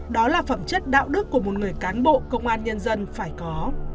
đó là phẩm chất đạo đức của một người cán bộ công an nhân dân phải có